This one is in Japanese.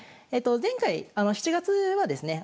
前回７月はですね